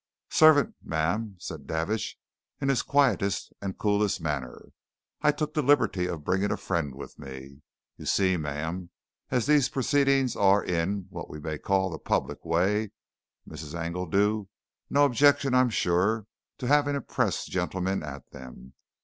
"Servant, ma'am," said Davidge in his quietest and coolest manner. "I took the liberty of bringing a friend with me. You see, ma'am, as these proceedings are in what we may call the public way, Mrs. Engledew, no objection I'm sure to having a press gentleman at them.